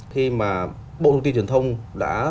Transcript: thì mà bộ công ty truyền thông đã